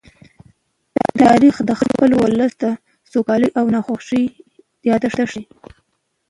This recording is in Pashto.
تاریخ د خپل ولس د سوکالۍ او ناخوښۍ يادښت دی.